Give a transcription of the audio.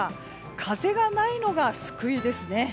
風がないのが救いですね。